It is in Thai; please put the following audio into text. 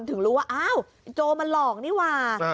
ถึงรู้ว่าอ้าวโจมันหลอกนี่ว่า